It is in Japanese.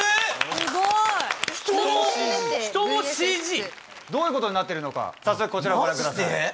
すごい！どういうことになってるのか早速こちらをご覧ください。